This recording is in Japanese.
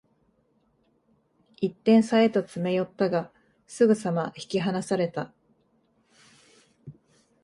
一点差へと詰め寄ったが、すぐさま引き離された